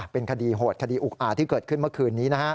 เป็นคดีโหดคดีอุกอาจที่เกิดขึ้นเมื่อคืนนี้